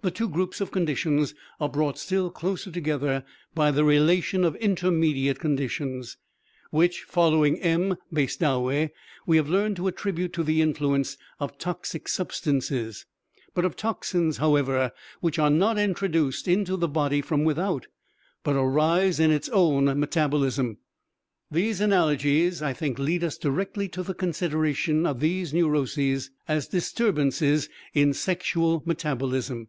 The two groups of conditions are brought still closer together by the relation of intermediate conditions, which, following M. Basedowi, we have learned to attribute to the influence of toxic substances, but of toxins, however, which are not introduced into the body from without, but arise in its own metabolism. These analogies, I think, lead us directly to the consideration of these neuroses as disturbances in sexual metabolism.